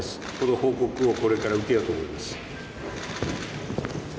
報告をこれから受けようと思います。